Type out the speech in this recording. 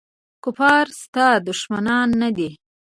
کفار ستا دښمنان نه دي.